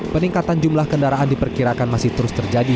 peningkatan jumlah kendaraan diperkirakan masih terus terjadi